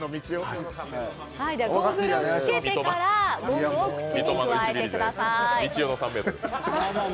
ゴーグルをつけてからゴムを口にくわえてください。